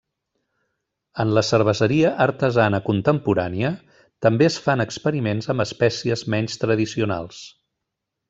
En la cerveseria artesana contemporània, també es fan experiments amb espècies menys tradicionals.